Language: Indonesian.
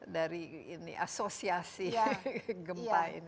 dari asosiasi gempa ini